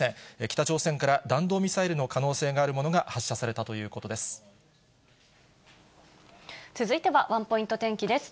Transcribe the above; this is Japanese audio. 北朝鮮から弾道ミサイルの可能性があるものが発射されたというこ続いてはワンポイント天気です。